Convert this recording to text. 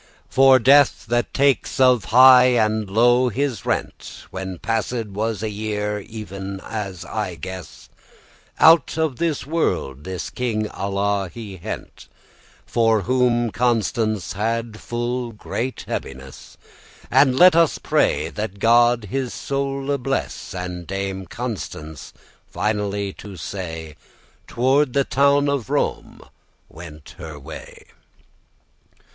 For death, that takes of high and low his rent, When passed was a year, even as I guess, Out of this world this King Alla he hent,* *snatched For whom Constance had full great heaviness. Now let us pray that God his soule bless: And Dame Constance, finally to say, Toward the town of Rome went her way.